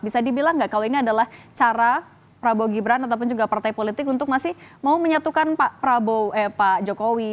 bisa dibilang nggak kalau ini adalah cara prabowo gibran ataupun juga partai politik untuk masih mau menyatukan pak jokowi